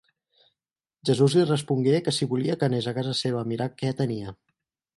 Jesús li respongué que si volia que anés a casa seva a mirar què tenia.